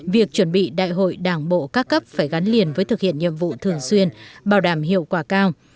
việc chuẩn bị đại hội đảng bộ các cấp phải gắn liền với thực hiện nhiệm vụ thường xuyên bảo đảm hiệu quả cao